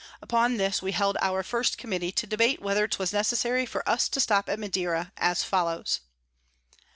Upon this we held our first Committee, to debate whether 'twas necessary for us to stop at Madera, as follows.